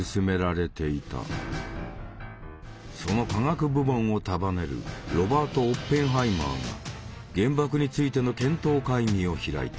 その科学部門を束ねるロバート・オッペンハイマーが原爆についての検討会議を開いた。